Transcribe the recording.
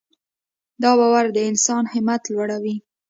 دا باور د انسان همت ورلوړوي.